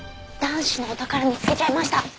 男子のお宝見つけちゃいました！